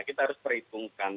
kita harus perhitungkan